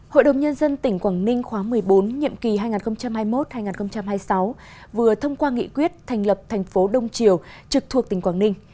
hội đồng nhân dân tỉnh quảng ninh khóa một mươi bốn nhiệm kỳ hai nghìn hai mươi một hai nghìn hai mươi sáu vừa thông qua nghị quyết thành lập thành phố đông triều trực thuộc tỉnh quảng ninh